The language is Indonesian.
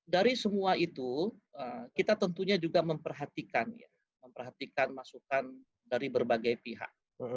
dari semua itu kita tentunya juga memperhatikan ya memperhatikan masukan dari berbagai pihak